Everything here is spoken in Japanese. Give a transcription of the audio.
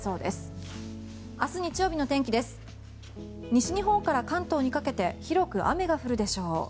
西日本から関東にかけて広く雨が降るでしょう。